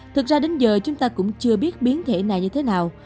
thực ra đến giờ chúng ta cũng chưa biết biến thể này như thế nào